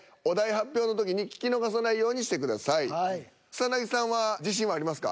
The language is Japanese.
草さんは自信はありますか？